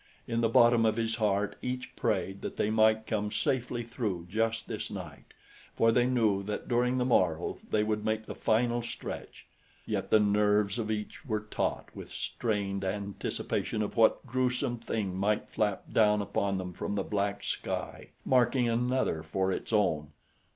In the bottom of his heart each prayed that they might come safely through just this night, for they knew that during the morrow they would make the final stretch, yet the nerves of each were taut with strained anticipation of what gruesome thing might flap down upon them from the black sky, marking another for its own.